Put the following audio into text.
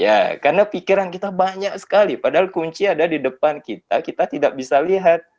ya karena pikiran kita banyak sekali padahal kunci ada di depan kita kita tidak bisa lihat